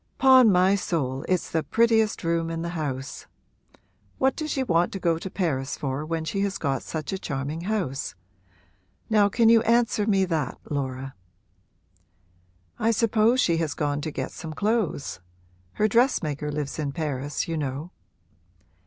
''Pon my soul, it's the prettiest room in the house. What does she want to go to Paris for when she has got such a charming house? Now can you answer me that, Laura?' 'I suppose she has gone to get some clothes: her dressmaker lives in Paris, you know.'